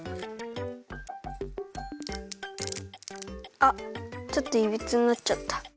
あっちょっといびつになっちゃった。